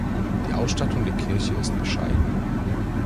Die Ausstattung der Kirche ist bescheiden.